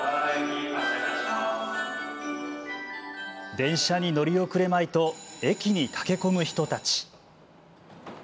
電車に乗り遅れまいと駅に駆け込む人たち。